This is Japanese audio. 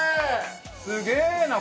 すげえな！